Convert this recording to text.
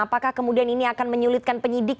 apakah kemudian ini akan menyulitkan penyidik